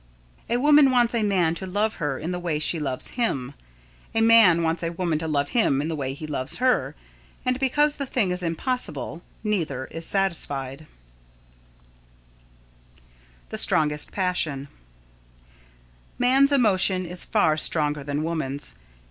A woman wants a man to love her in the way she loves him; a man wants a woman to love him in the way he loves her, and because the thing is impossible, neither is satisfied. [Sidenote: The Strongest Passion] Man's emotion is far stronger than woman's.